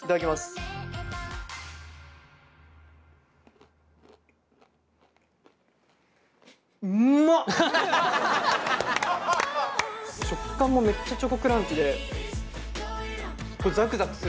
食感もめっちゃチョコクランチでザクザクする好きな感じだ。